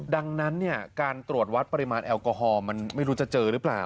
ดังนั้นการตรวจวัดปริมาณแอลกอฮอลมันไม่รู้จะเจอหรือเปล่า